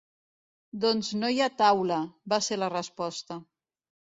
“Doncs no hi ha taula”, va ser la resposta.